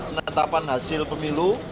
menetapkan hasil pemilu